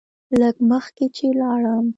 لږ مخکې چې لاړم.